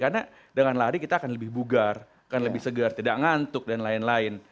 karena dengan lari kita akan lebih bugar akan lebih segar tidak ngantuk dan lain lain